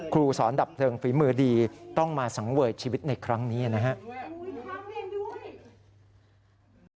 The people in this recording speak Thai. ครูสอนดับเพลิงฝีมือดีต้องมาสังเวยชีวิตในครั้งนี้นะครับ